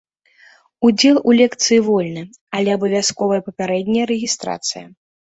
Удзел у лекцыі вольны, але абавязковая папярэдняя рэгістрацыя.